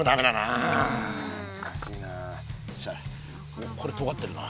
おっこれとがってるな。